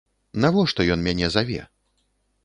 Навошта ён мяне заве?